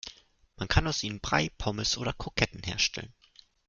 Man kann aus ihnen Brei, Pommes oder Kroketten herstellen.